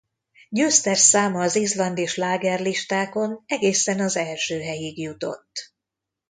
Győztes száma az izlandi slágerlistákon egészen az első helyig jutott.